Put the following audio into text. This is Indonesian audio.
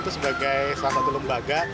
itu sebagai satu lembaga